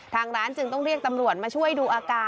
ทางร้านจึงต้องเรียกตำรวจมาช่วยดูอาการ